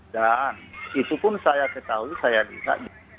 dan itu pun saya ketahui saya bisa